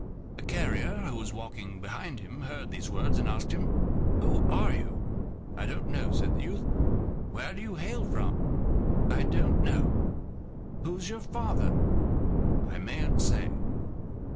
A carrier who was walking behind him heard these words, and asked him: "Who are you" "I don't know," said the youth. "Where do you hail from?" "I don't know." "Who's your father?" "I mayn't say."